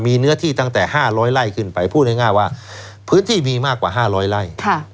มีเนื้อที่ตั้งแต่๕๐๐ไร่ขึ้นไปพูดง่ายว่าพื้นที่มีมากกว่า๕๐๐ไร่